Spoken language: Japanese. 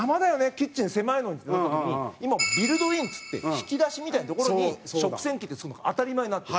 キッチン狭いのにってなった時に今、ビルドインっつって引き出しみたいな所に食洗機って付くのが当たり前になってる。